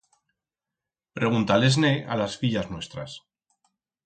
Pregunta-les-ne a las fillas nuestras.